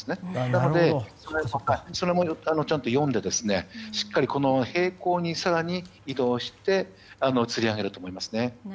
なので、それもしっかり読んでしっかり平行に更に移動してつり上げると思いますね。